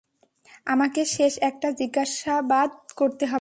আমাকে শেষ একটা জিজ্ঞাসাবাদ করতে হবে।